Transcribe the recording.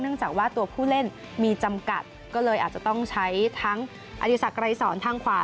จากว่าตัวผู้เล่นมีจำกัดก็เลยอาจจะต้องใช้ทั้งอดีศักดรายสอนทางขวา